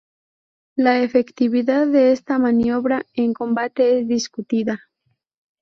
La efectividad de esta maniobra en combate es discutida.